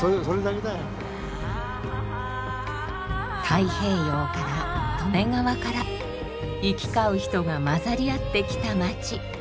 太平洋から利根川から行き交う人が交ざり合ってきた町。